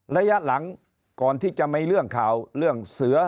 ระยะหลังก่อนที่จะมีเรื่องข่าวเรื่องเสือ